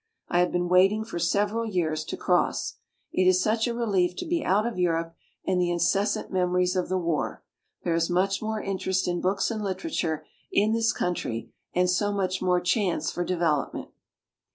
I have been waiting for several years to cross. It is such a relief to be out of Europe and the incessant memories of the war: there is much 'more interest in boolcs and literature in this country and so much more chance for development.